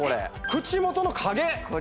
口元の影！